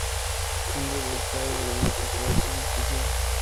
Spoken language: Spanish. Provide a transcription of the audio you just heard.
Cambio de estado a una corporación especial.